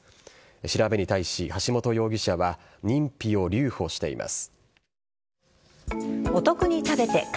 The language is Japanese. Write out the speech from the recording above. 調べに対し、橋本容疑者は認否を留保しています。